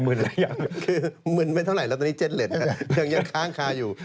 คือมืนไม่เท่าไหร่แล้วตอนนี้เจ็ดเหล็ดยังค้างคาอยู่